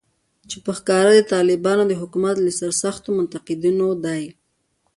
چې په ښکاره د طالبانو د حکومت له سرسختو منتقدینو دی